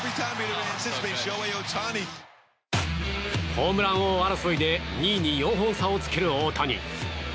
ホームラン王争いで２位に４本差をつける大谷。